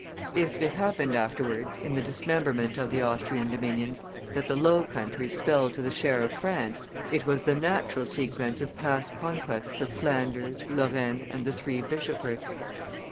If it happened afterwards, in the dismemberment of the Austrian dominions, that the Low Countries fell to the share of France, it was the natural sequel of past conquests of Flanders, Lorraine, and the Three Bishoprics.